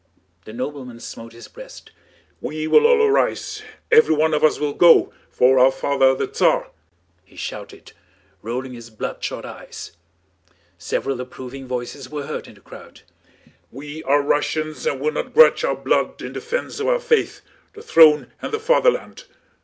The nobleman smote his breast. "We will all arise, everyone of us will go, for our father the Tsar!" he shouted, rolling his bloodshot eyes. Several approving voices were heard in the crowd. "We are Russians and will not grudge our blood in defense of our faith, the throne, and the Fatherland!